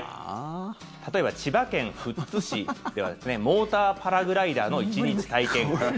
例えば千葉県富津市ではモーターパラグライダーの１日体験。